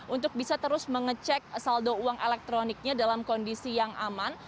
untuk bisa terus mengecek saldo uang elektroniknya dalam kondisi yang aman